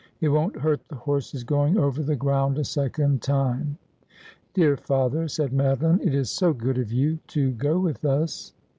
It won't hurt the horses going over the ground a second time.' ' Dear father,' said Madeline, ' it is so good of you to go with us.'